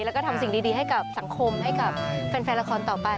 แล้วก็ทำสิ่งดีให้กับสังคมให้กับแฟนละครต่อไป